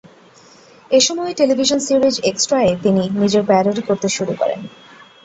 এই সময়েই television series "এক্সট্রা"-এ তিনি নিজের প্যারোডি করতে শুরু করেন।